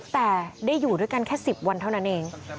แต่ได้อยู่ด้วยกันแค่๑๐วันเท่านั้นเอง